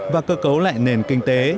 và cơ cấu lại nền kinh tế